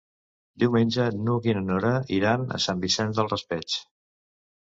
Diumenge n'Hug i na Nora iran a Sant Vicent del Raspeig.